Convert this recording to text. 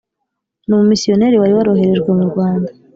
Ni umumisiyoneri wari waroherejwe mu Rwanda